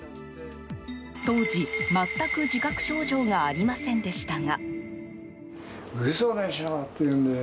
当時、全く自覚症状がありませんでしたが。